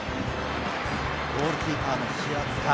ゴールキーパーの平塚。